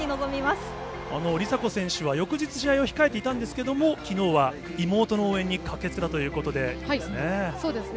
梨紗子選手は翌日、試合を控えていたんですけれども、きのうは、妹の応援に駆けつけたということですね。